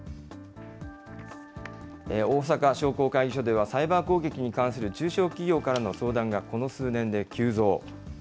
大阪商工会議所では、サイバー攻撃に関する中小企業からの相談が、この数年で急増。